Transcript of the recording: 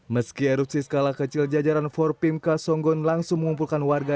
meski erupsi skala kecil jajaran for pimka songgon langsung mengumpulkan warga